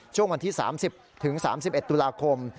ช่วงวันที่๓๐ถึง๓๑ตุลาคม